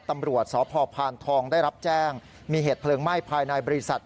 ตำรวจสพพานทองได้รับแจ้งมีเหตุเพลิงไหม้ภายในบริษัท